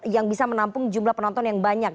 yang bisa menampung jumlah penonton yang banyak